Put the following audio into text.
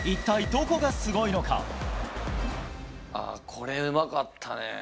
これ、うまかったね。